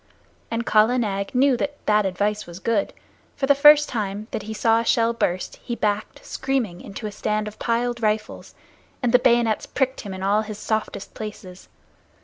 Kala Nag knew that that advice was good, for the first time that he saw a shell burst he backed, screaming, into a stand of piled rifles, and the bayonets pricked him in all his softest places.